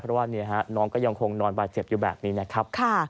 เพราะว่าน้องก็ยังคงนอนบาดเจ็บอยู่แบบนี้นะครับ